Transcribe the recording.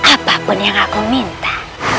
apapun yang aku minta